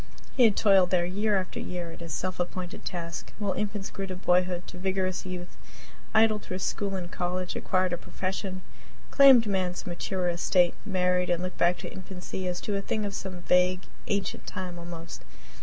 He had toiled there year after year, at his self appointed task, while infants grew to boyhood to vigorous youth idled through school and college acquired a profession claimed man's mature estate married and looked back to infancy as to a thing of some vague, ancient time, almost.